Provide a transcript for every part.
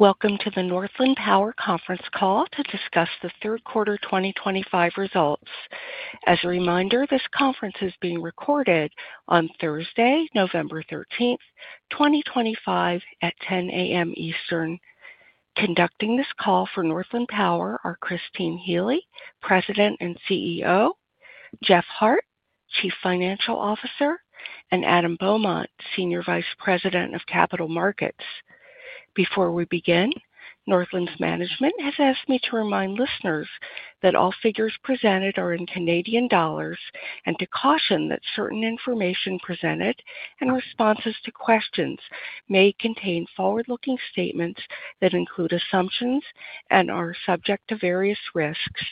Welcome to the Northland Power Conference Call to discuss the Third Quarter 2025 results. As a reminder, this conference is being recorded on Thursday, November 13th, 2025, at 10:00 A.M. Eastern. Conducting this call for Northland Power are Christine Healy, President and CEO, Jeff Hart, Chief Financial Officer, and Adam Beaumont, Senior Vice President of Capital Markets. Before we begin, Northland's management has asked me to remind listeners that all figures presented are in CAD and to caution that certain information presented and responses to questions may contain forward-looking statements that include assumptions and are subject to various risks.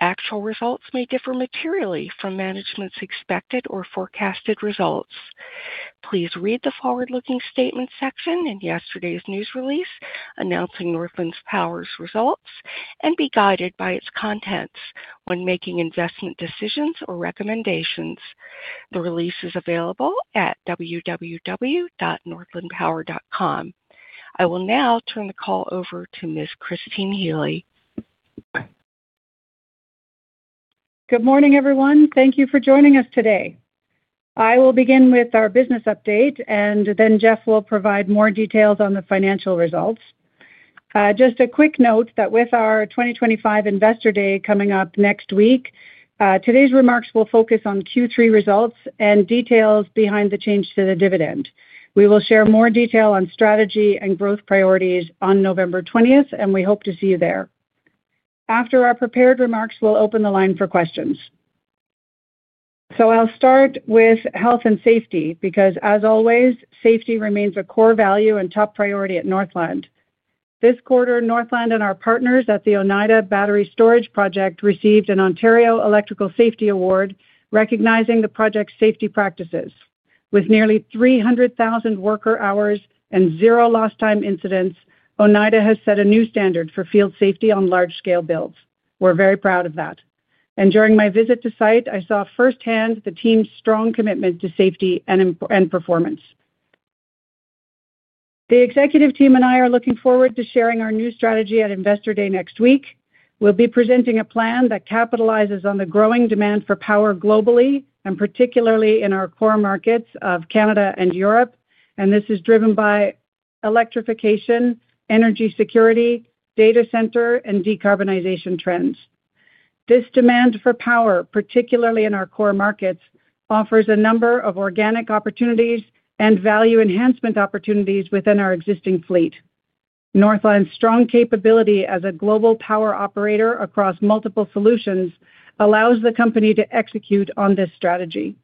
Actual results may differ materially from management's expected or forecasted results. Please read the forward-looking statement section in yesterday's news release announcing Northland Power's results and be guided by its contents when making investment decisions or recommendations. The release is available at www.northlandpower.com. I will now turn the call over to Ms. Christine Healy. Good morning, everyone. Thank you for joining us today. I will begin with our business update, and then Jeff will provide more details on the financial results. Just a quick note that with our 2025 Investor Day coming up next week, today's remarks will focus on Q3 results and details behind the change to the dividend. We will share more detail on strategy and growth priorities on November 20th, and we hope to see you there. After our prepared remarks, we'll open the line for questions. I will start with health and safety because, as always, safety remains a core value and top priority at Northland. This quarter, Northland and our partners at the Oneida Battery Storage Project received an Ontario Electrical Safety Award recognizing the project's safety practices. With nearly 300,000 worker hours and zero lost-time incidents, Oneida has set a new standard for field safety on large-scale builds. We're very proud of that. During my visit to site, I saw firsthand the team's strong commitment to safety and performance. The executive team and I are looking forward to sharing our new strategy at Investor Day next week. We'll be presenting a plan that capitalizes on the growing demand for power globally, particularly in our core markets of Canada and Europe, and this is driven by electrification, energy security, data center, and decarbonization trends. This demand for power, particularly in our core markets, offers a number of organic opportunities and value enhancement opportunities within our existing fleet. Northland's strong capability as a global power operator across multiple solutions allows the company to execute on this strategy.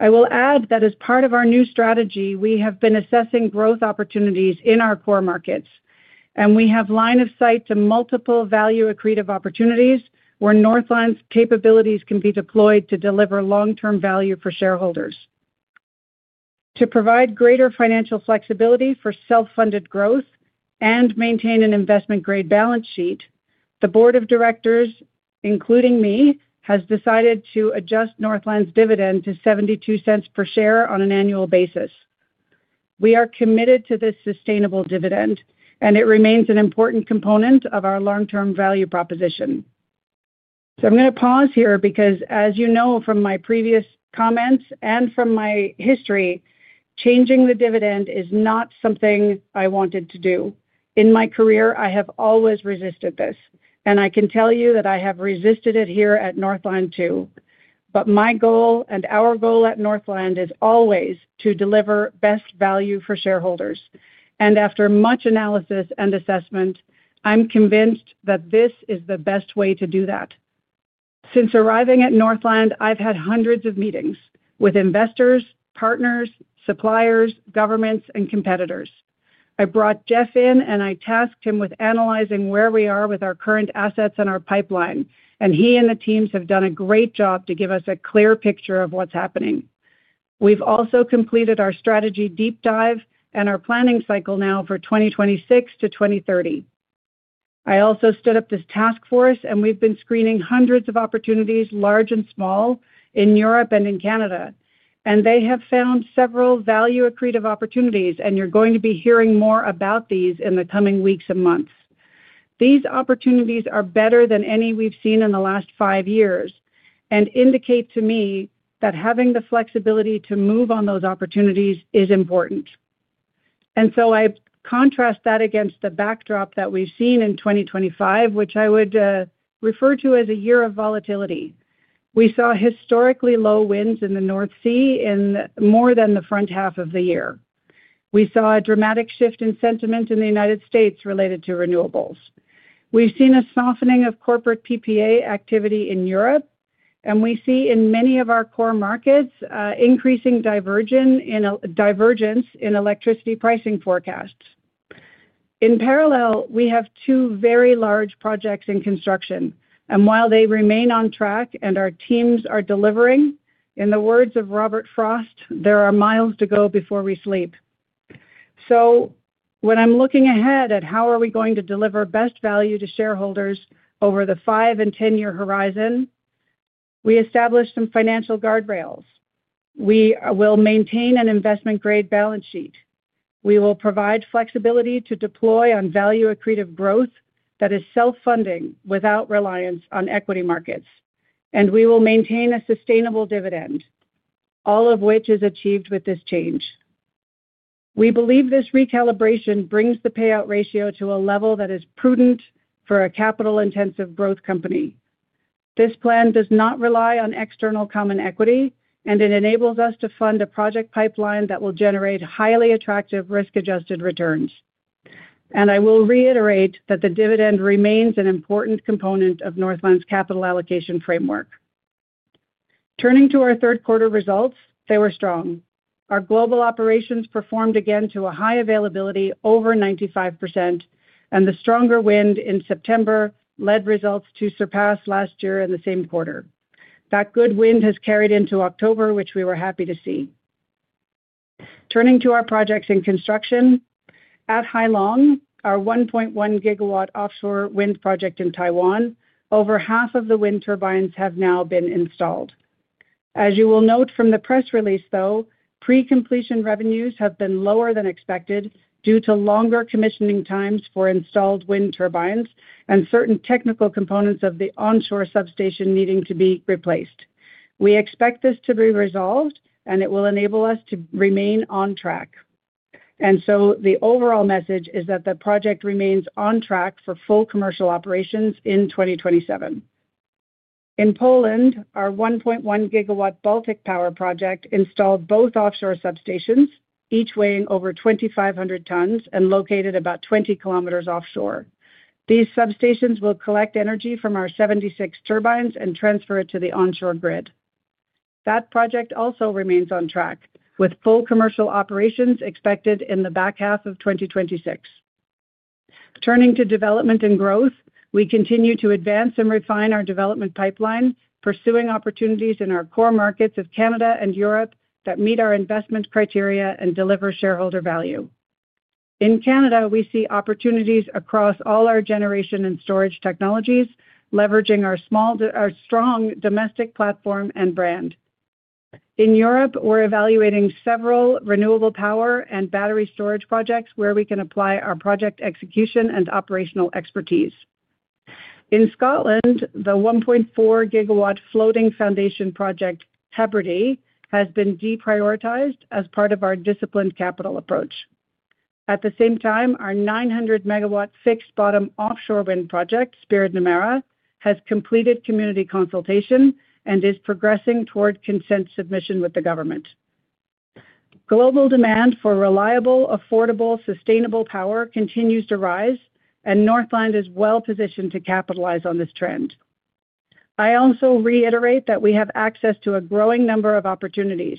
I will add that as part of our new strategy, we have been assessing growth opportunities in our core markets, and we have line of sight to multiple value-accretive opportunities where Northland's capabilities can be deployed to deliver long-term value for shareholders. To provide greater financial flexibility for self-funded growth and maintain an investment-grade balance sheet, the board of directors, including me, has decided to adjust Northland's dividend to 0.72 per share on an annual basis. We are committed to this sustainable dividend, and it remains an important component of our long-term value proposition. I am going to pause here because, as you know from my previous comments and from my history, changing the dividend is not something I wanted to do. In my career, I have always resisted this, and I can tell you that I have resisted it here at Northland too. My goal and our goal at Northland is always to deliver best value for shareholders. After much analysis and assessment, I'm convinced that this is the best way to do that. Since arriving at Northland, I've had hundreds of meetings with investors, partners, suppliers, governments, and competitors. I brought Jeff in, and I tasked him with analyzing where we are with our current assets and our pipeline, and he and the teams have done a great job to give us a clear picture of what's happening. We've also completed our strategy deep dive and our planning cycle now for 2026 to 2030. I also stood up this task force, and we've been screening hundreds of opportunities, large and small, in Europe and in Canada, and they have found several value-accretive opportunities, and you're going to be hearing more about these in the coming weeks and months. These opportunities are better than any we've seen in the last five years and indicate to me that having the flexibility to move on those opportunities is important. I contrast that against the backdrop that we've seen in 2025, which I would refer to as a year of volatility. We saw historically low winds in the North Sea in more than the front half of the year. We saw a dramatic shift in sentiment in the United States related to renewables. We've seen a softening of corporate PPA activity in Europe, and we see in many of our core markets increasing divergence in electricity pricing forecasts. In parallel, we have two very large projects in construction, and while they remain on track and our teams are delivering, in the words of Robert Frost, there are miles to go before we sleep. When I'm looking ahead at how are we going to deliver best value to shareholders over the five and ten-year horizon, we established some financial guardrails. We will maintain an investment-grade balance sheet. We will provide flexibility to deploy on value-accretive growth that is self-funding without reliance on equity markets, and we will maintain a sustainable dividend, all of which is achieved with this change. We believe this recalibration brings the payout ratio to a level that is prudent for a capital-intensive growth company. This plan does not rely on external common equity, and it enables us to fund a project pipeline that will generate highly attractive risk-adjusted returns. I will reiterate that the dividend remains an important component of Northland's capital allocation framework. Turning to our third-quarter results, they were strong. Our global operations performed again to a high availability over 95%, and the stronger wind in September led results to surpass last year in the same quarter. That good wind has carried into October, which we were happy to see. Turning to our projects in construction, at Hai Long, our 1.1-GW offshore wind project in Taiwan, over half of the wind turbines have now been installed. As you will note from the press release, though, pre-completion revenues have been lower than expected due to longer commissioning times for installed wind turbines and certain technical components of the onshore substation needing to be replaced. We expect this to be resolved, and it will enable us to remain on track. The overall message is that the project remains on track for full commercial operations in 2027. In Poland, our 1.1-GW Baltic Power Project installed both offshore substations, each weighing over 2,500 tons and located about 20 kilometers offshore. These substations will collect energy from our 76 turbines and transfer it to the onshore grid. That project also remains on track, with full commercial operations expected in the back half of 2026. Turning to development and growth, we continue to advance and refine our development pipeline, pursuing opportunities in our core markets of Canada and Europe that meet our investment criteria and deliver shareholder value. In Canada, we see opportunities across all our generation and storage technologies, leveraging our strong domestic platform and brand. In Europe, we're evaluating several renewable power and battery storage projects where we can apply our project execution and operational expertise. In Scotland, the 1.4-GW floating foundation project, Havbredey, has been deprioritized as part of our disciplined capital approach. At the same time, our 900-MW fixed-bottom offshore wind project, Spiorad na Mara, has completed community consultation and is progressing toward consent submission with the government. Global demand for reliable, affordable, sustainable power continues to rise, and Northland is well-positioned to capitalize on this trend. I also reiterate that we have access to a growing number of opportunities,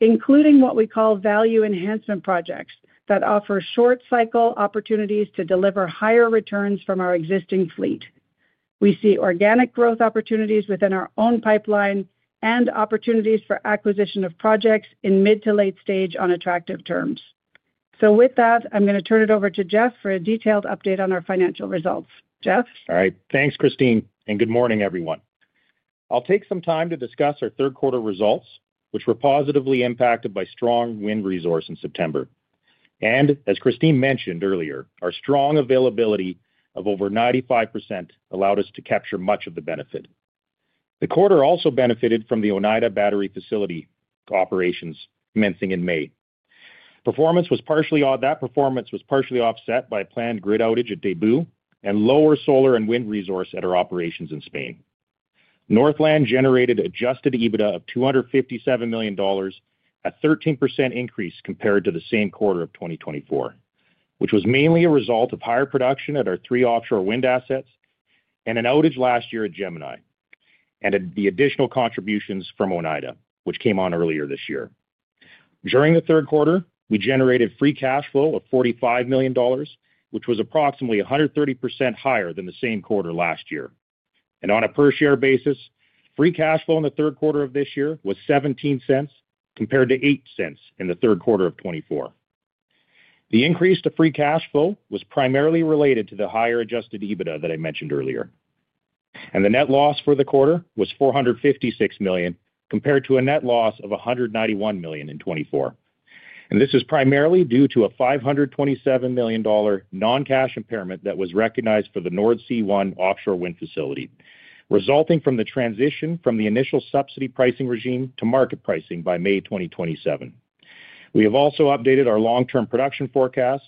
including what we call value enhancement projects that offer short-cycle opportunities to deliver higher returns from our existing fleet. We see organic growth opportunities within our own pipeline and opportunities for acquisition of projects in mid to late stage on attractive terms. With that, I'm going to turn it over to Jeff for a detailed update on our financial results. Jeff? All right. Thanks, Christine, and good morning, everyone. I'll take some time to discuss our third-quarter results, which were positively impacted by strong wind resource in September. As Christine mentioned earlier, our strong availability of over 95% allowed us to capture much of the benefit. The quarter also benefited from the Oneida battery facility operations commencing in May. Performance was partially offset by planned grid outage at Deutsche Bucht and lower solar and wind resource at our operations in Spain. Northland generated adjusted EBITDA of 257 million dollars, a 13% increase compared to the same quarter of 2024, which was mainly a result of higher production at our three offshore wind assets and an outage last year at Gemini and the additional contributions from Oneida, which came on earlier this year. During the third quarter, we generated free cash flow of 45 million dollars, which was approximately 130% higher than the same quarter last year. On a per-share basis, free cash flow in the third quarter of this year was 0.17 compared to 0.08 in the third quarter of 2024. The increase to free cash flow was primarily related to the higher adjusted EBITDA that I mentioned earlier. And the net loss for the quarter was 456 million compared to a net loss of 191 million in 2024. This is primarily due to a 527 million dollar non-cash impairment that was recognized for the North Sea One offshore wind facility, resulting from the transition from the initial subsidy pricing regime to market pricing by May 2027. We have also updated our long-term production forecasts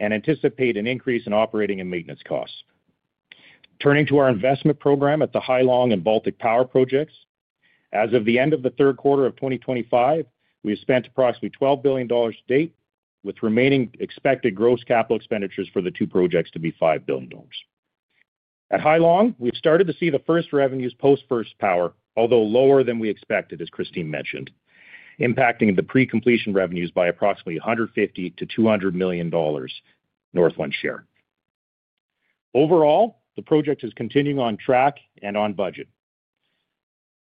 and anticipate an increase in operating and maintenance costs. Turning to our investment program at the Hai Long and Baltic Power Projects, as of the end of the third quarter of 2025, we have spent approximately 12 billion dollars to date, with remaining expected gross capital expenditures for the two projects to be 5 billion dollars. At Hai Long, we've started to see the first revenues post-first power, although lower than we expected, as Christine mentioned, impacting the pre-completion revenues by approximately 150 million-200 million dollars Northland share. Overall, the project is continuing on track and on budget.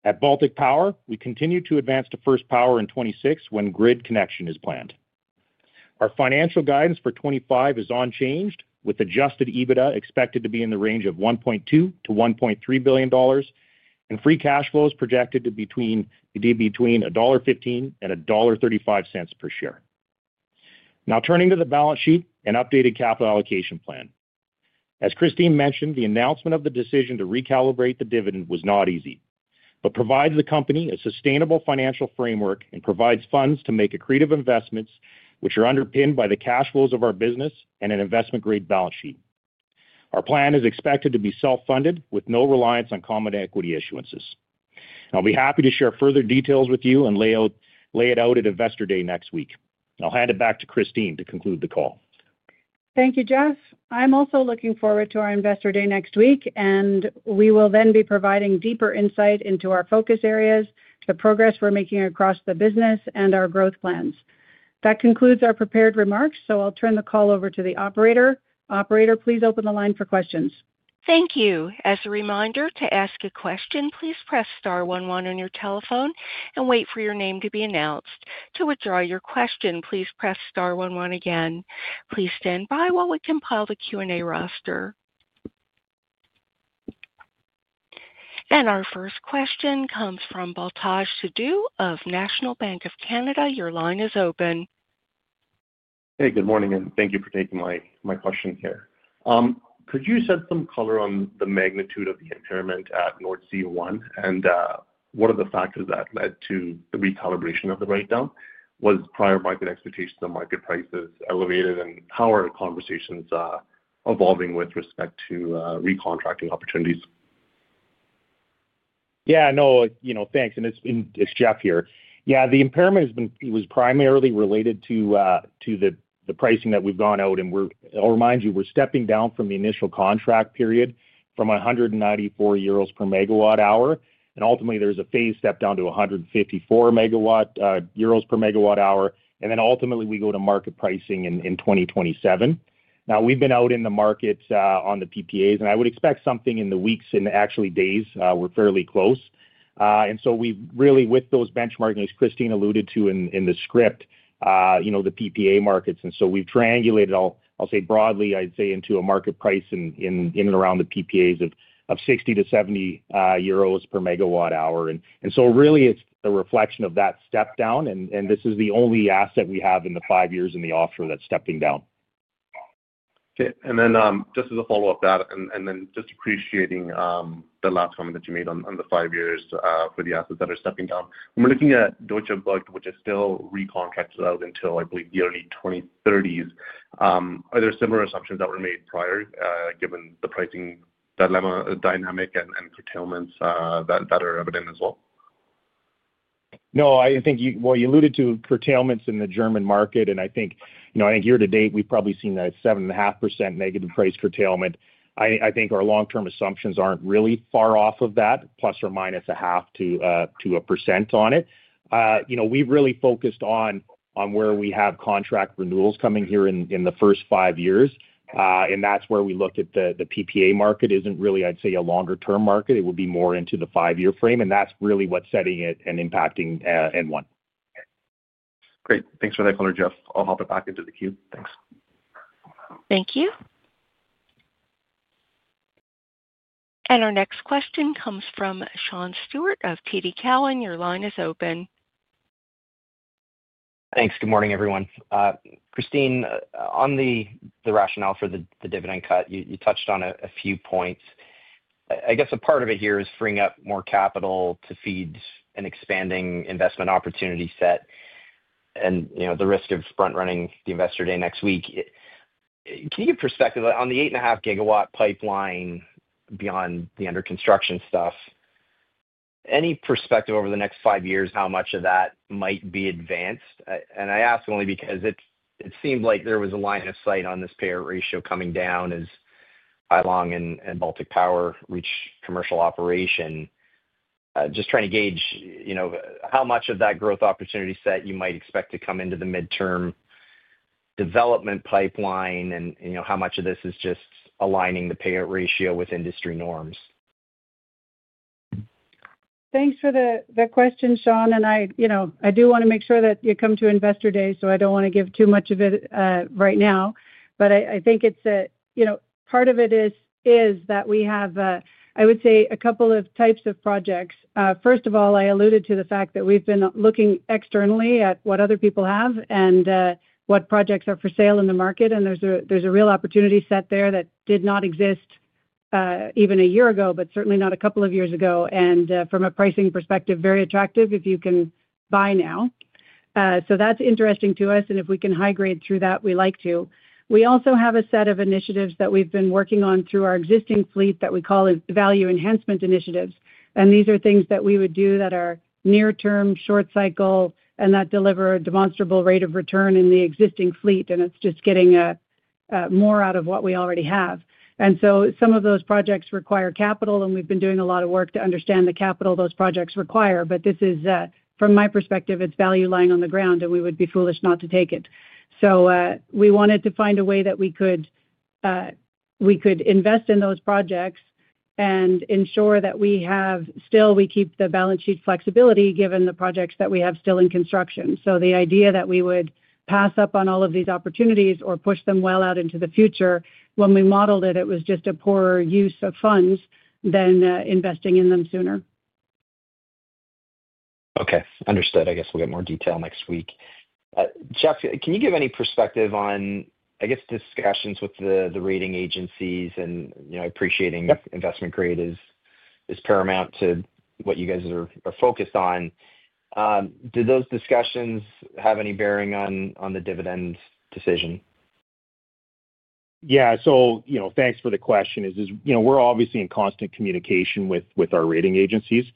At Baltic Power, we continue to advance to first power in 2026 when grid connection is planned. Our financial guidance for 2025 is unchanged, with adjusted EBITDA expected to be in the range of 1.2 billion-1.3 billion dollars and free cash flows projected to be between dollar 1.15 and dollar 1.35 per share. Now, turning to the balance sheet and updated capital allocation plan. As Christine mentioned, the announcement of the decision to recalibrate the dividend was not easy, but provides the company a sustainable financial framework and provides funds to make accretive investments, which are underpinned by the cash flows of our business and an investment-grade balance sheet. Our plan is expected to be self-funded with no reliance on common equity issuances. I'll be happy to share further details with you and lay it out at Investor Day next week. I'll hand it back to Christine to conclude the call. Thank you, Jeff. I'm also looking forward to our Investor Day next week, and we will then be providing deeper insight into our focus areas, the progress we're making across the business, and our growth plans. That concludes our prepared remarks, so I'll turn the call over to the operator. Operator, please open the line for questions. Thank you. As a reminder, to ask a question, please press star one one on your telephone and wait for your name to be announced. To withdraw your question, please press star one one again. Please stand by while we compile the Q&A roster. Our first question comes from Baltej Sidhu of National Bank of Canada. Your line is open. Hey, good morning, and thank you for taking my question here. Could you set some color on the magnitude of the impairment at North Sea One and what are the factors that led to the recalibration of the write-down? Was prior market expectations and market prices elevated, and how are conversations evolving with respect to recontracting opportunities? Yeah, no, thanks. It's Jeff here. Yeah, the impairment was primarily related to the pricing that we've gone out. I'll remind you, we're stepping down from the initial contract period from 194 euros per MW hour. Ultimately, there's a phase step down to 154 euros per MW hour. Ultimately, we go to market pricing in 2027. Now we've been out in the markets on the PPAs, and I would expect something in the weeks and actually days. We're fairly close. And so we've really, with those benchmarkings Christine alluded to in the script, you know the PPA markets. We've triangulated, I'll say broadly, I'd say into a market price in and around the PPAs of 60-70 euros per MW hour. So really, it's a reflection of that step down, and this is the only asset we have in the five years in the offshore that's stepping down. Okay. And then just as a follow-up to that, and then just appreciating the last comment that you made on the five years for the assets that are stepping down. When we're looking at Deutsche Bucht, which is still recontracted out until, I believe, the early 2030s, are there similar assumptions that were made prior given the pricing dynamic and curtailments that are evident as well? No, I think, you alluded to curtailments in the German market, and I think year-to-date, we've probably seen a 7.5% negative price curtailment. I think our long-term assumptions aren't really far off of that, plus or minus a half to a percent on it. We've really focused on where we have contract renewals coming here in the first five years, and that's where we look at the PPA market. It isn't really, I'd say, a longer-term market. It would be more into the five-year frame, and that's really what's setting it and impacting N1. Great. Thanks for that color, Jeff. I'll hop back into the queue. Thanks. Thank you. Our next question comes from Sean Stewart of TD Cowen. Your line is open. Thanks. Good morning, everyone. Christine, on the rationale for the dividend cut, you touched on a few points. I guess a part of it here is freeing up more capital to feed an expanding investment opportunity set and the risk of front-running the Investor Day next week. Can you give perspective on the 8.5-GW pipeline beyond the under-construction stuff? Any perspective over the next five years how much of that might be advanced? I ask only because it seemed like there was a line of sight on this payout ratio coming down as Hai Long and Baltic Power reach commercial operation. Just trying to gauge how much of that growth opportunity set you might expect to come into the midterm development pipeline and how much of this is just aligning the payout ratio with industry norms. Thanks for the question, Sean. I do want to make sure that you come to Investor Day, so I do not want to give too much of it right now. I think part of it is that we have, I would say, a couple of types of projects. First of all, I alluded to the fact that we have been looking externally at what other people have and what projects are for sale in the market. There is a real opportunity set there that did not exist even a year ago, but certainly not a couple of years ago. From a pricing perspective, very attractive if you can buy now. So that is interesting to us, and if we can high-grade through that, we would like to. We also have a set of initiatives that we have been working on through our existing fleet that we call value enhancement initiatives. And these are things that we would do that are near-term, short-cycle, and that deliver a demonstrable rate of return in the existing fleet, and it is just getting more out of what we already have. And so some of those projects require capital, and we have been doing a lot of work to understand the capital those projects require. But this is from my perspective, it is value lying on the ground, and we would be foolish not to take it. We wanted to find a way that we could invest in those projects and ensure that we still keep the balance sheet flexibility given the projects that we have still in construction. The idea that we would pass up on all of these opportunities or push them well out into the future, when we modeled it, it was just a poorer use of funds than investing in them sooner. Okay. Understood. I guess we'll get more detail next week. Jeff, can you give any perspective on, I guess, discussions with the rating agencies and appreciating investment grade is paramount to what you guys are focused on? Did those discussions have any bearing on the dividend decision? Yeah. So, thanks for the question. We're obviously in constant communication with our rating agencies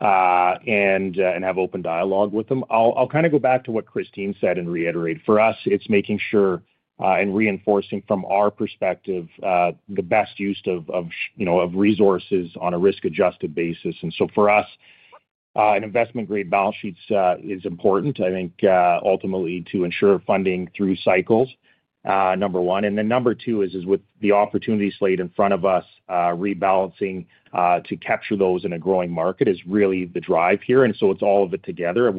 and have open dialogue with them. I'll kind of go back to what Christine said and reiterate. For us, it's making sure and reinforcing from our perspective the best use of resources on a risk-adjusted basis. So for us, an investment-grade balance sheet is important, I think, ultimately to ensure funding through cycles, number one. Number two is, with the opportunities laid in front of us, rebalancing to capture those in a growing market is really the drive here. So it's all of it together.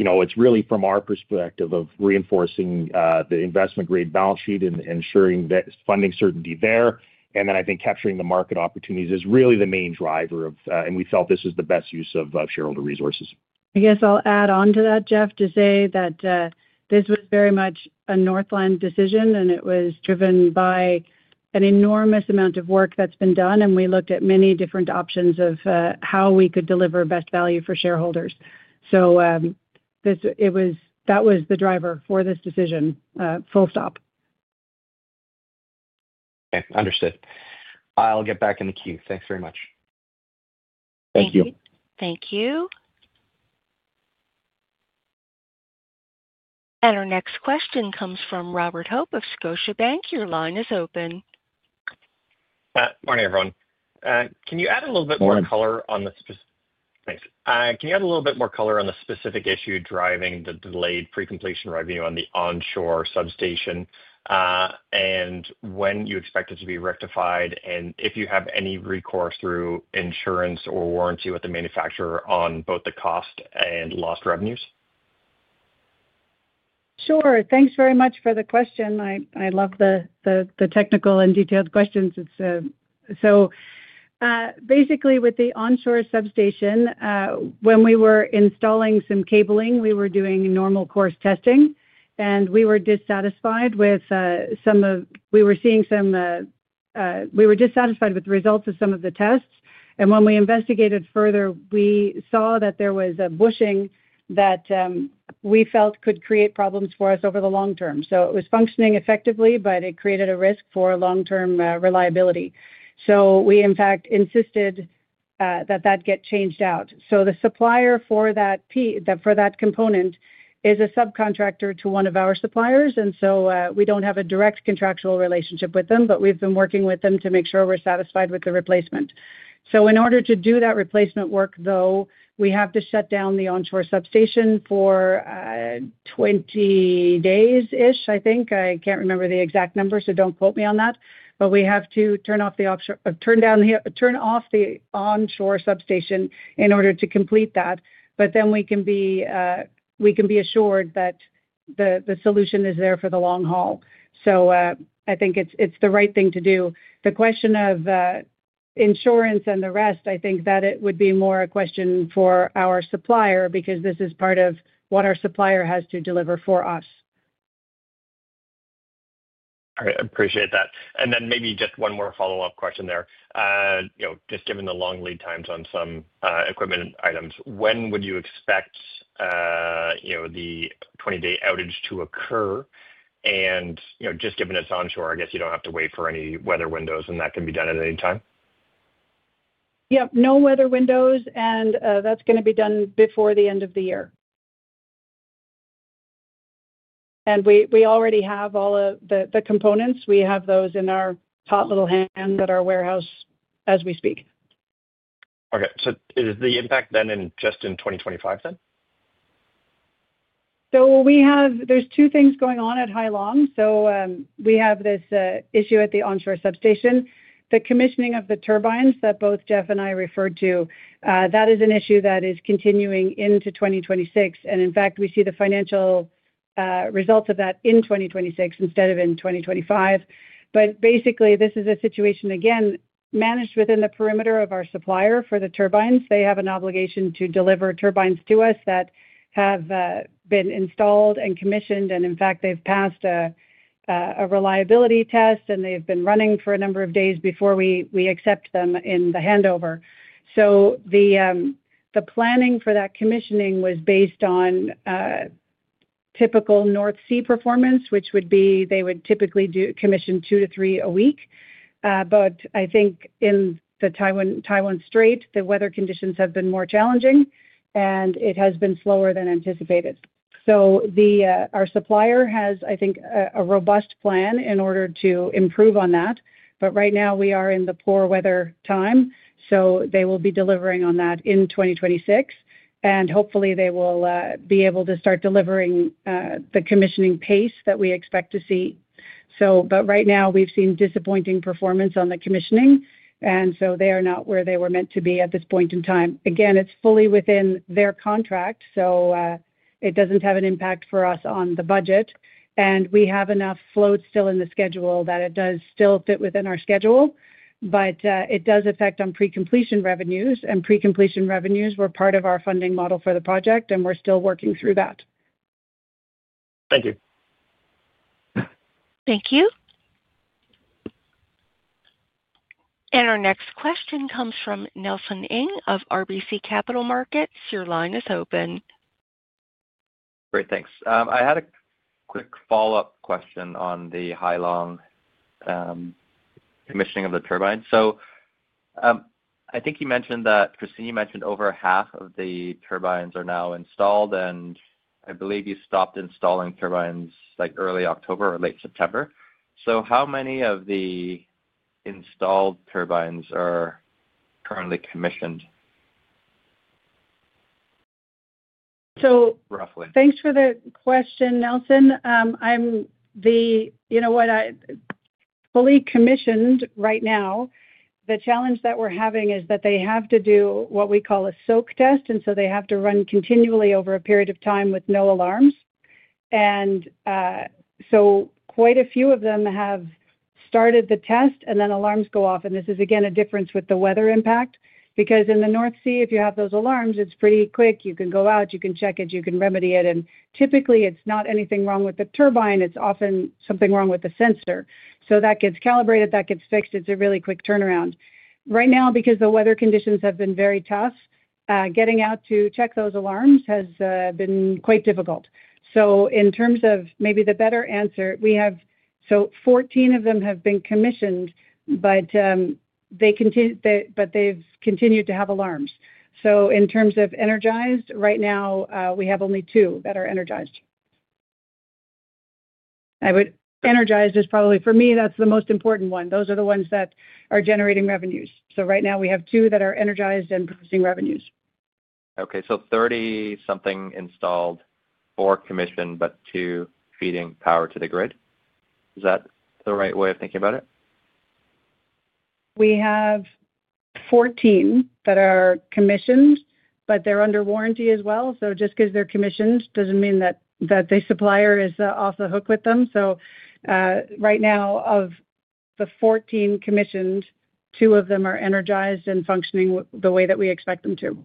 It's really from our perspective of reinforcing the investment-grade balance sheet and ensuring that funding certainty there. And I think capturing the market opportunities is really the main driver of, and we felt this was the best use of shareholder resources. I guess I'll add on to that, Jeff, to say that this was very much a Northland decision, and it was driven by an enormous amount of work that's been done. We looked at many different options of how we could deliver best value for shareholders. That was the driver for this decision. Full stop. Okay. Understood. I'll get back in the queue. Thanks very much. Thank you. Thank you. Our next question comes from Robert Hope of Scotiabank. Your line is open. Morning, everyone. Can you add a little bit more color on the specific? Thanks. Can you add a little bit more color on the specific issue driving the delayed pre-completion revenue on the onshore substation and when you expect it to be rectified and if you have any recourse through insurance or warranty with the manufacturer on both the cost and lost revenues? Sure. Thanks very much for the question. I love the technical and detailed questions. So basically, with the onshore substation, when we were installing some cabling, we were doing normal course testing, and we were dissatisfied with the results of some of the tests. When we investigated further, we saw that there was a bushing that we felt could create problems for us over the long term. So it's functioning effectively, but it created a risk for long-term reliability. We, in fact, insisted that that get changed out. So the supplier for that component is a subcontractor to one of our suppliers, and so we do not have a direct contractual relationship with them, but we have been working with them to make sure we are satisfied with the replacement. So in order to do that replacement work, though, we have to shut down the onshore substation for 20 days-ish, I think. I cannot remember the exact number, so do not quote me on that. But we have to turn off the onshore substation in order to complete that. But then we can be, we can be assured that the solution is there for the long haul. I think it is the right thing to do. The question of insurance and the rest, I think that it would be more a question for our supplier because this is part of what our supplier has to deliver for us. All right. I appreciate that. Maybe just one more follow-up question there. Just given the long lead times on some equipment items, when would you expect you know the 20-day outage to occur? And just given it is onshore, I guess you do not have to wait for any weather windows, and that can be done at any time? Yep. No weather windows, and that is going to be done before the end of the year. We already have all of the components. We have those in our potlatch little hands at our warehouse as we speak. Okay. Is the impact then just in 2025 then? So we have these two things going on at Hai Long. We have this issue at the onshore substation. The commissioning of the turbines that both Jeff and I referred to, that is an issue that is continuing into 2026. In fact, we see the financial results of that in 2026 instead of in 2025. Basically, this is a situation, again, managed within the perimeter of our supplier for the turbines. They have an obligation to deliver turbines to us that have been installed and commissioned. In fact, they have passed a reliability test, and they have been running for a number of days before we accept them in the handover. So the planning for that commissioning was based on typical North Sea performance, which would be they would typically commission two to three a week. But I think in the Taiwan Strait, the weather conditions have been more challenging, and it has been slower than anticipated. Our supplier has, I think, a robust plan in order to improve on that. Right now, we are in the poor weather time. So they will be delivering on that in 2026. And hopefully, they will be able to start delivering the commissioning pace that we expect to see. But right now, we've seen disappointing performance on the commissioning. They are not where they were meant to be at this point in time. Again, it's fully within their contract. It does not have an impact for us on the budget. We have enough float still in the schedule that it does still fit within our schedule. But it does affect on pre-completion revenues. And pre-completion revenues were part of our funding model for the project, and we're still working through that. Thank you. Thank you. Our next question comes from Nelson Ng of RBC Capital Markets. Your line is open. Great. Thanks. I had a quick follow-up question on the Hai Long commissioning of the turbines. So, I think you mentioned that Christine mentioned over half of the turbines are now installed, and I believe you stopped installing turbines early October or late September. How many of the installed turbines are currently commissioned? So, thanks for the question, Nelson. You know what? Fully commissioned right now, the challenge that we're having is that they have to do what we call a soak test. They have to run continually over a period of time with no alarms. Quite a few of them have started the test, and then alarms go off. This is, again, a difference with the weather impact because in the North Sea, if you have those alarms, it's pretty quick. You can go out, you can check it, you can remedy it. Typically, it's not anything wrong with the turbine. It's often something wrong with the sensor. So that gets calibrated, that gets fixed. It's a really quick turnaround. Right now, because the weather conditions have been very tough, getting out to check those alarms has been quite difficult. In terms of maybe the better answer, we have 14 of them have been commissioned, but they've continued to have alarms. So in terms of energized, right now, we have only two that are energized. Energized is probably for me, that's the most important one. Those are the ones that are generating revenues. Right now, we have two that are energized and producing revenues. Okay. So 30-something installed, four commissioned, but two feeding power to the grid. Is that the right way of thinking about it? We have 14 that are commissioned, but they're under warranty as well. Just because they're commissioned doesn't mean that the supplier is off the hook with them. Right now, of the 14 commissioned, two of them are energized and functioning the way that we expect them to.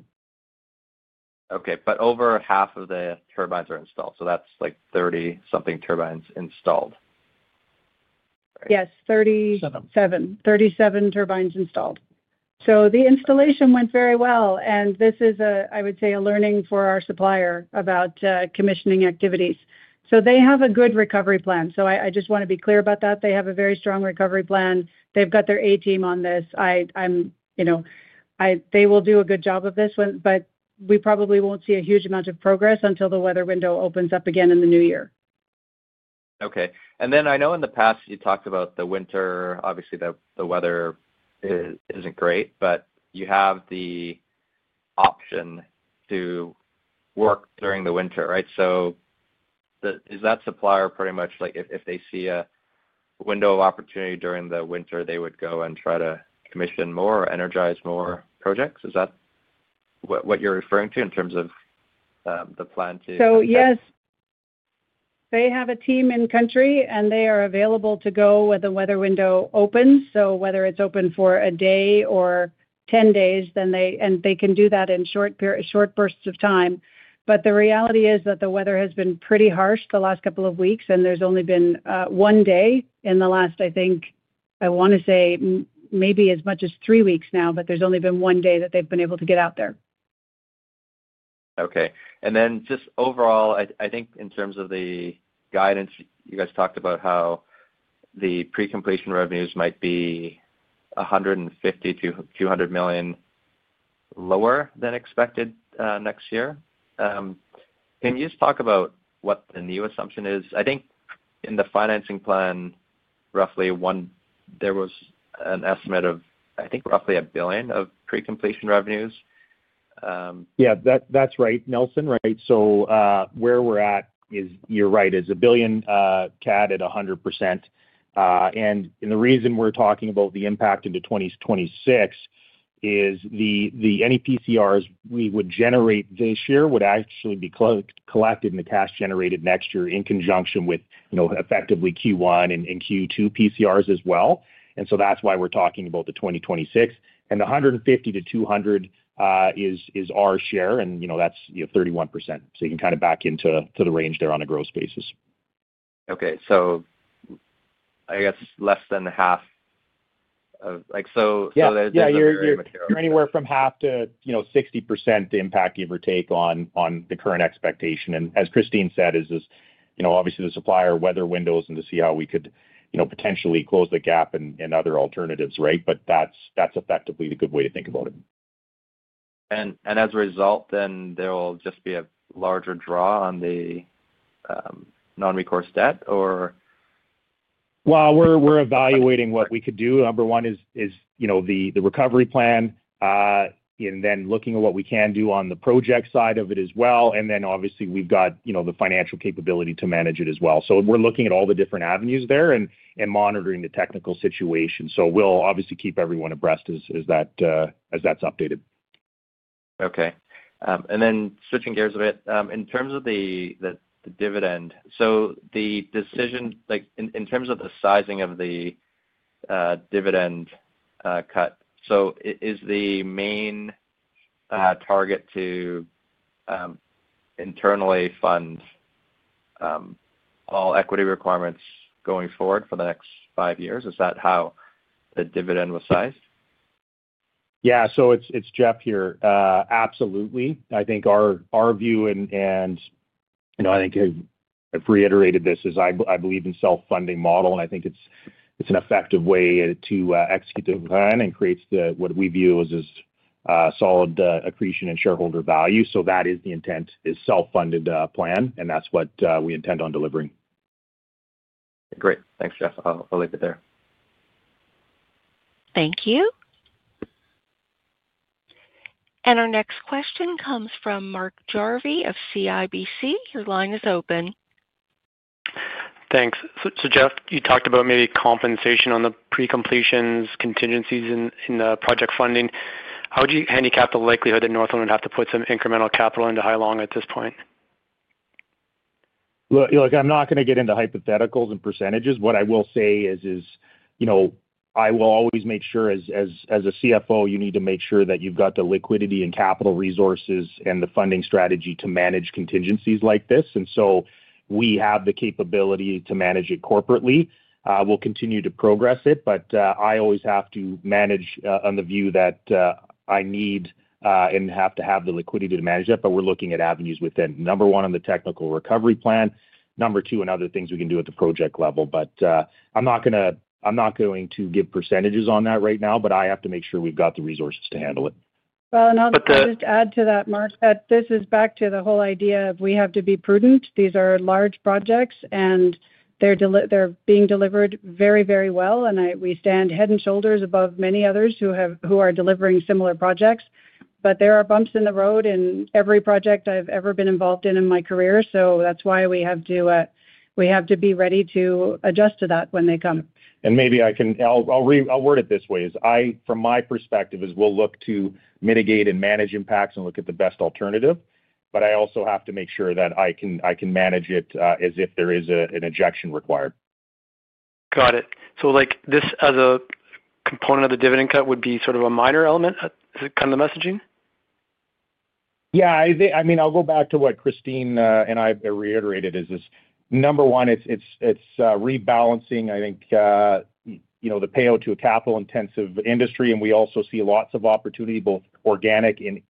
Okay. Over half of the turbines are installed. That is like 30-something turbines installed. Yes. 37. Seven. 37 turbines installed. The installation went very well. This is, I would say, a learning for our supplier about commissioning activities. They have a good recovery plan. I just want to be clear about that. They have a very strong recovery plan. They have got their A-team on this. They will do a good job of this, but we probably will not see a huge amount of progress until the weather window opens up again in the new year. Okay. I know in the past, you talked about the winter. Obviously, the weather is not great, but you have the option to work during the winter, right? So is that supplier pretty much like if they see a window of opportunity during the winter, they would go and try to commission more or energize more projects? Is that what you are referring to in terms of the plan too? Yes. They have a team in country, and they are available to go when the weather window opens. Whether it is open for a day or 10 days, they can do that in short bursts of time. The reality is that the weather has been pretty harsh the last couple of weeks, and there has only been one day in the last, I think, I want to say maybe as much as three weeks now, but there has only been one day that they have been able to get out there. Okay. Then just overall, I think in terms of the guidance, you guys talked about how the pre-completion revenues might be 150 million-200 million lower than expected next year. Can you just talk about what the new assumption is? I think in the financing plan, roughly there was an estimate of, I think, roughly 1 billion of pre-completion revenues. Yeah. That's right, Nelson, right? Where we're at is you're right. It's 1 billion CAD at 100%. The reason we're talking about the impact into 2026 is any PCRs we would generate this year would actually be collected in the cash generated next year in conjunction with effectively Q1 and Q2 PCRs as well. That's why we're talking about the 2026. The 150-200 is our share, and that's 31%. You can kind of back into the range there on a gross basis. Okay. So I guess less than half of, so the. Yeah. You're anywhere from half to 60% impact, give or take, on the current expectation. As Christine said, obviously, the supplier weather windows and to see how we could potentially close the gap and other alternatives, right? That is effectively the good way to think about it. And as a result, there will just be a larger draw on the non-recourse debt, or? We're evaluating what we could do. Number one is the recovery plan and then looking at what we can do on the project side of it as well. Obviously, we've got the financial capability to manage it as well. We're looking at all the different avenues there and monitoring the technical situation. We'll obviously keep everyone abreast as that's updated. Okay. And then switching gears a bit, in terms of the dividend, so the decision in terms of the sizing of the dividend cut, so is the main target to internally fund all equity requirements going forward for the next five years? Is that how the dividend was sized? Yeah. So it is Jeff here. Absolutely. I think our view, and I think I have reiterated this, is I believe in self-funding model. I think it is an effective way to execute the plan and creates what we view as solid accretion and shareholder value. That is the intent, is self-funded plan, and that is what we intend on delivering. Great. Thanks, Jeff. I'll leave it there. Thank you. Our next question comes from Mark Jarvi of CIBC. Your line is open. Thanks. Jeff, you talked about maybe compensation on the pre-completions, contingencies in the project funding. How would you handicap the likelihood that Northland would have to put some incremental capital into Hai Long at this point? Look, I'm not going to get into hypotheticals and percentages. What I will say is I will always make sure, as a CFO, you need to make sure that you've got the liquidity and capital resources and the funding strategy to manage contingencies like this. And so we have the capability to manage it corporately. We'll continue to progress it. I always have to manage on the view that I need and have to have the liquidity to manage it. We're looking at avenues within. Number one, on the technical recovery plan. Number two, on other things we can do at the project level. I'm not going to give percentages on that right now, but I have to make sure we've got the resources to handle it. I will just add to that, Mark, that this is back to the whole idea of we have to be prudent. These are large projects, and they're being delivered very, very well. We stand head and shoulders above many others who are delivering similar projects. But there are bumps in the road in every project I've ever been involved in in my career. That is why we have to be ready to adjust to that when they come. Maybe I can, I'll word it this way. From my perspective, we'll look to mitigate and manage impacts and look at the best alternative. I also have to make sure that I can manage it as if there is an injection required. Got it. This as a component of the dividend cut would be sort of a minor element? Is it kind of the messaging? Yeah. I mean, I'll go back to what Christine and I reiterated is this. Number one, it's rebalancing, I think, the payout to a capital-intensive industry. We also see lots of opportunity, both organic and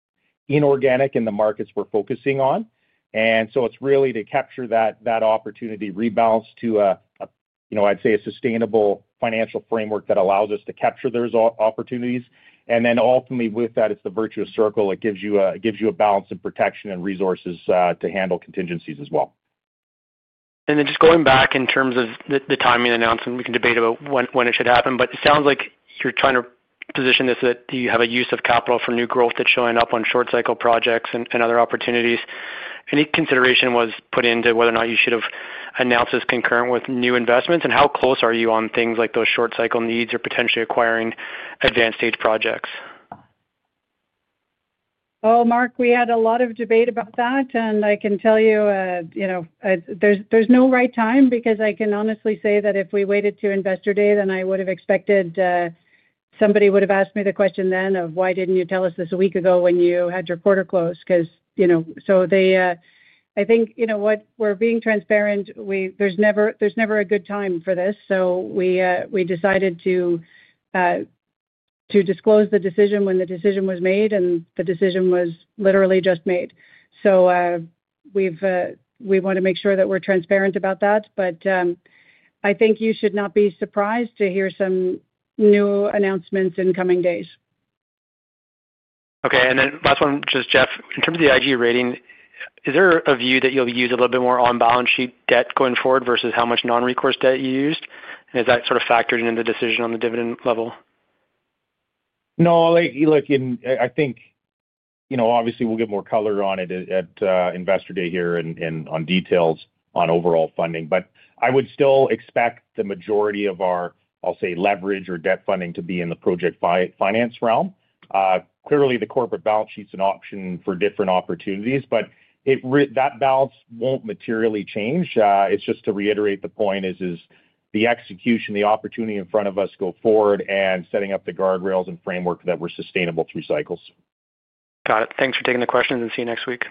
inorganic, in the markets we're focusing on. It is really to capture that opportunity, rebalance to, I'd say, a sustainable financial framework that allows us to capture those opportunities. And ultimately, with that, it's the virtuous circle. It gives you a balance of protection and resources to handle contingencies as well. Just going back in terms of the timing announcement, we can debate about when it should happen. It sounds like you're trying to position this that you have a use of capital for new growth that's showing up on short-cycle projects and other opportunities. Any consideration was put into whether or not you should have announced this concurrent with new investments? How close are you on things like those short-cycle needs or potentially acquiring advanced-stage projects? Well, Mark, we had a lot of debate about that. I can tell you there's no right time because I can honestly say that if we waited to Investor Day, then I would have expected somebody would have asked me the question then of, "Why didn't you tell us this a week ago when you had your quarter close?" I think what we're being transparent, there's never a good time for this. We decided to disclose the decision when the decision was made, and the decision was literally just made. So we want to make sure that we're transparent about that. But I think you should not be surprised to hear some new announcements in coming days. Okay. And then last one, just Jeff. In terms of the IG rating, is there a view that you'll use a little bit more on-balance sheet debt going forward versus how much non-recourse debt you used? Is that sort of factored into the decision on the dividend level? No. Look, I think obviously we'll get more color on it at Investor Day here and on details on overall funding. But I would still expect the majority of our, I'll say, leverage or debt funding to be in the project finance realm. Clearly, the corporate balance sheet's an option for different opportunities, but that balance won't materially change. It's just to reiterate the point is the execution, the opportunity in front of us go forward and setting up the guardrails and framework that we're sustainable through cycles. Got it. Thanks for taking the questions, and see you next week.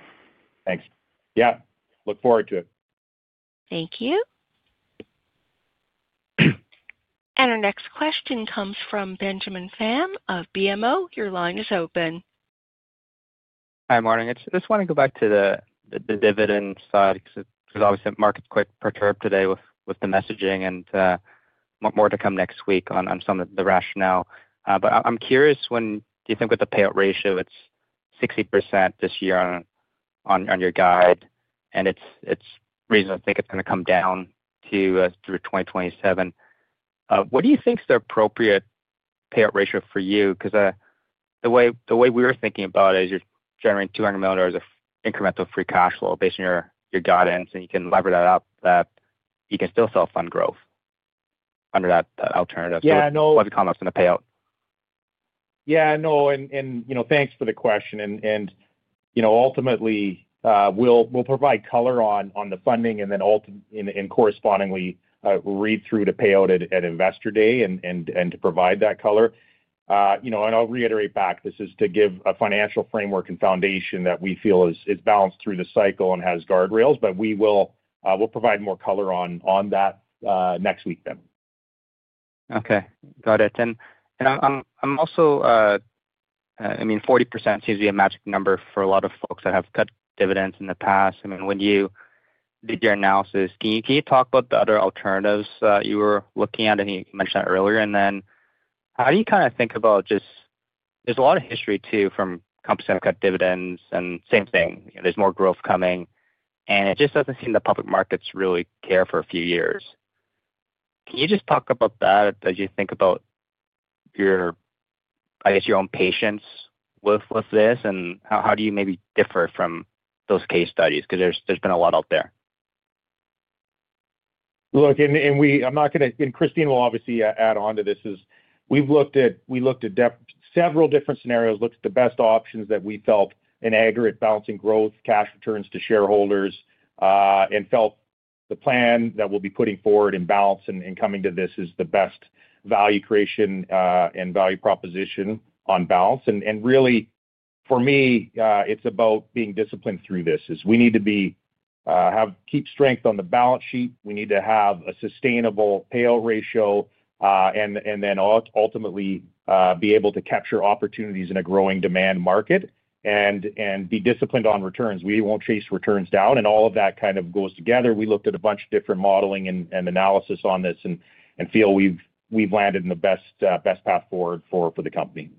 Thanks. Yeah. Look forward to it. Thank you. Our next question comes from Benjamin Pham of BMO. Your line is open. Hi, Morning. I just want to go back to the dividend side because obviously, the market's quite perturbed today with the messaging and more to come next week on some of the rationale. I'm curious, do you think with the payout ratio, it's 60% this year on your guide, and it's reasonable to think it's going to come down to 2027? What do you think is the appropriate payout ratio for you? The way we were thinking about it is you're generating 200 million dollars of incremental free cash flow based on your guidance, and you can lever that up that you can still self-fund growth under that alternative. Yeah. No. What have you come up to the payout? Yeah. No. Thanks for the question. Ultimately, we'll provide color on the funding and then correspondingly read through to payout at Investor Day to provide that color. I'll reiterate back, this is to give a financial framework and foundation that we feel is balanced through the cycle and has guardrails. But we will provide more color on that next week then. Okay. Got it. Also, I mean, 40% seems to be a magic number for a lot of folks that have cut dividends in the past. I mean, when you did your analysis, can you talk about the other alternatives you were looking at? I think you mentioned that earlier. How do you kind of think about just there's a lot of history too from companies that have cut dividends and same thing. There's more growth coming, and it just doesn't seem the public markets really care for a few years. Can you just talk about that as you think about, I guess, your own patience with this? How do you maybe differ from those case studies? Because there's been a lot out there. Look, and I'm not going to, and Christine will obviously add on to this, is we've looked at several different scenarios, looked at the best options that we felt in aggregate balancing growth, cash returns to shareholders, and felt the plan that we'll be putting forward in balance and coming to this is the best value creation and value proposition on balance. Really, for me, it's about being disciplined through this. We need to keep strength on the balance sheet. We need to have a sustainable payout ratio and then ultimately be able to capture opportunities in a growing demand market and be disciplined on returns. We won't chase returns down. All of that kind of goes together. We looked at a bunch of different modeling and analysis on this and feel we've landed in the best path forward for the company.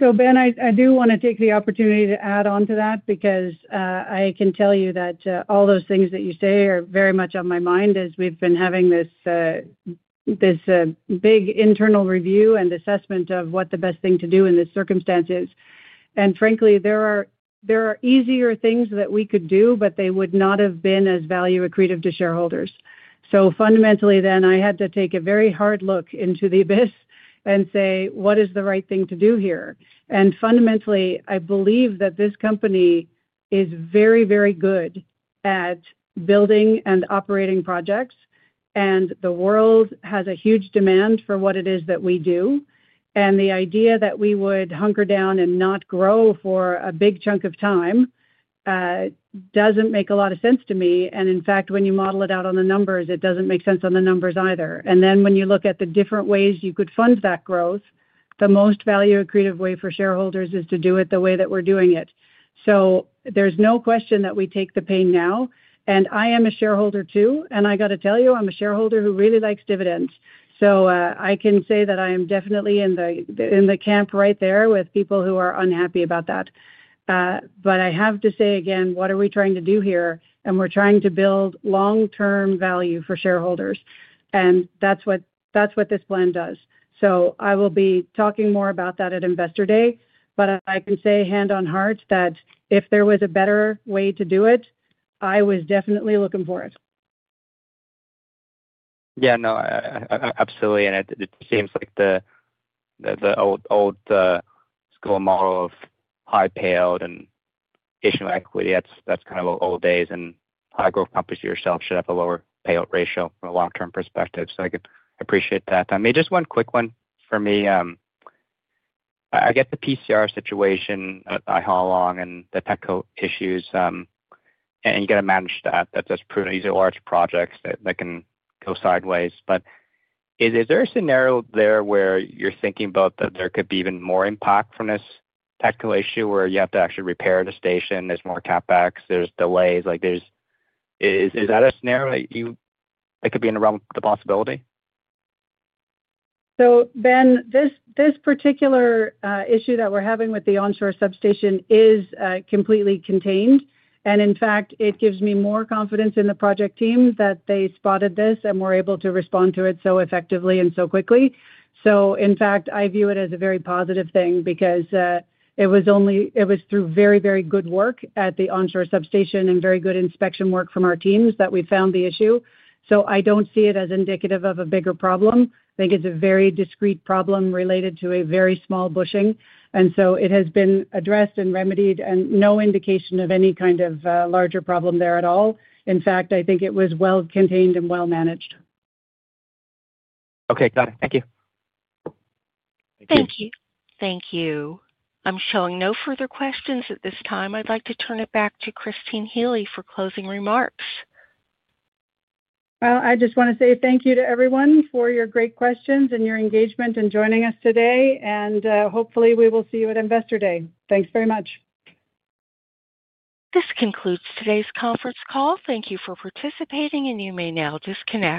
So, Ben, I do want to take the opportunity to add on to that because I can tell you that all those things that you say are very much on my mind as we've been having this big internal review and assessment of what the best thing to do in this circumstance is. Frankly, there are easier things that we could do, but they would not have been as value accretive to shareholders. So, fundamentally then, I had to take a very hard look into the abyss and say, "What is the right thing to do here?" And fundamentally, I believe that this company is very, very good at building and operating projects. The world has a huge demand for what it is that we do. The idea that we would hunker down and not grow for a big chunk of time does not make a lot of sense to me. In fact, when you model it out on the numbers, it does not make sense on the numbers either. When you look at the different ways you could fund that growth, the most value-accretive way for shareholders is to do it the way that we are doing it. So there is no question that we take the pain now. And I am a shareholder too. I have to tell you, I am a shareholder who really likes dividends. I can say that I am definitely in the camp right there with people who are unhappy about that. But I have to say again, what are we trying to do here? We are trying to build long-term value for shareholders. That is what this plan does. I will be talking more about that at Investor Day. I can say hand on heart that if there was a better way to do it, I was definitely looking for it. Yeah. No, absolutely. It seems like the old-school model of high payout and issuing equity, that's kind of old days. High-growth companies yourself should have a lower payout ratio from a long-term perspective. I appreciate that. I mean, just one quick one for me. I get the PCR situation at Hai Long and the tech issues, and you got to manage that. That's pretty easy large projects that can go sideways. Is there a scenario there where you're thinking about that there could be even more impact from this technical issue where you have to actually repair the station? There's more CapEx. There's delays. Is that a scenario that could be in the realm of the possibility? So, Ben, this particular issue that we're having with the onshore substation is completely contained. In fact, it gives me more confidence in the project team that they spotted this and were able to respond to it so effectively and so quickly. So in fact, I view it as a very positive thing because it was through very, very good work at the onshore substation and very good inspection work from our teams that we found the issue. So I don't see it as indicative of a bigger problem. I think it's a very discrete problem related to a very small bushing. And so it has been addressed and remedied, and no indication of any kind of larger problem there at all. In fact, I think it was well-contained and well-managed. Okay. Got it. Thank you. Thank you. Thank you. I'm showing no further questions at this time. I'd like to turn it back to Christine Healy for closing remarks. I just want to say thank you to everyone for your great questions and your engagement in joining us today. Hopefully, we will see you at Investor Day. Thanks very much. This concludes today's conference call. Thank you for participating, and you may now disconnect.